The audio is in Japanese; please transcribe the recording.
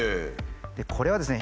これはですね